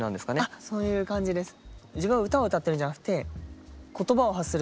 あっそういう感じです。